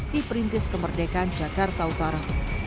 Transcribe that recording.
di perintis kemerdekaan jakarta utara